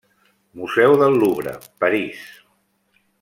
Museu del Louvre, París.